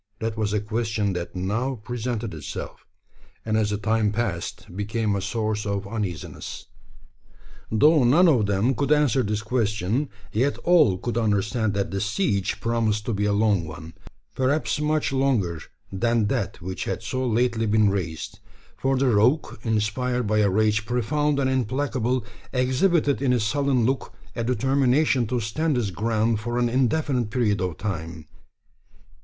That was a question that now presented itself; and as the time passed, became a source of uneasiness. Though none of them could answer this question, yet all could understand that the siege promised to be a long one perhaps much longer than that which had so lately been raised: for the rogue, inspired by a rage profound and implacable, exhibited in his sullen look a determination to stand his ground for an indefinite period of time.